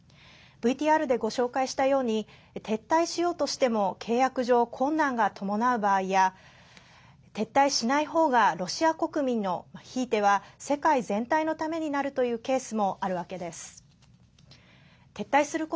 ＶＴＲでご紹介したように撤退しようとしても契約上、困難が伴う場合や撤退しないほうがロシア国民の、ひいては世界全体のためになるというケースもあるわけです。